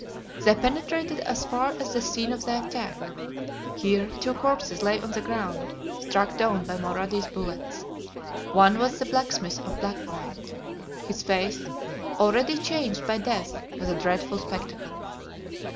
They penetrated as far as the scene of the attack. Here two corpses lay on the ground, struck down by Mulrady's bullets. One was the blacksmith of Blackpoint. His face, already changed by death, was a dreadful spectacle.